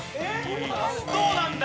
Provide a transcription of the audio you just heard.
どうなんだ！？